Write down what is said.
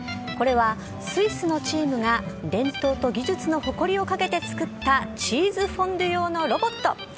これは、スイスのチームが伝統と技術の誇りをかけて作った、チーズフォンデュ用のロボット。